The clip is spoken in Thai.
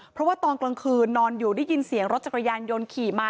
เพราะว่าตอนกลางคืนนอนอยู่ได้ยินเสียงรถจักรยานยนต์ขี่มา